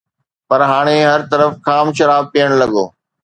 پر هاڻي هر طرف خام شراب پيئڻ لڳو